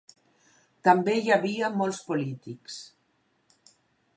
També hi havia molts polítics.